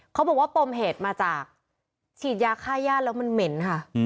เขาบอกว่าปมเหตุมาจากฉีดยาฆ่าญาติแล้วมันเหม็นค่ะ